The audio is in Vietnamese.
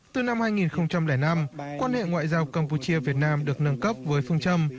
từ năm hai nghìn năm quan hệ ngoại giao campuchia việt nam được nâng cấp với phương châm